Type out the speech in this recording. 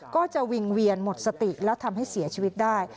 ก็จะวิ่งเวียนหมดสติแล้วทำให้เสียชีวิตได้